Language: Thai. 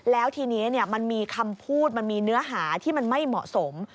แล้วทีนี้มันมีคำพูดมันมีเนื้อหาที่มันไม่เหมาะสม